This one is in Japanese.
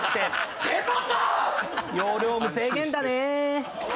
容量無制限だね。